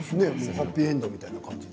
ハッピーエンドみたいな。